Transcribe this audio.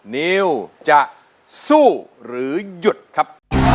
เนื้อจะซู้หรือยดครับ